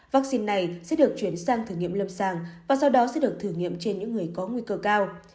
vaccine này sẽ được chuyển sang thử nghiệm lâm sàng và sau đó sẽ được thử nghiệm trên những người có nguy cơ cao